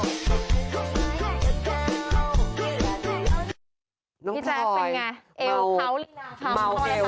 พี่ใจเป็นไงเอาเกาส์หรืออะไร